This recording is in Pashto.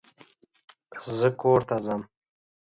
زه کورته ځم